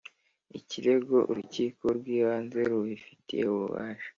ikirego Urukiko rw Ibanze rubifitiye ububasha